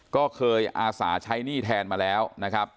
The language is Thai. ก็เคยอาสาใช้หนี้แทนมาแล้วนะครับ